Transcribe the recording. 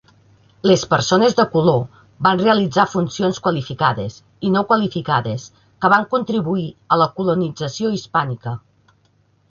Les persones de color van realitzar funcions qualificades i no qualificades que van contribuir a la colonització hispànica.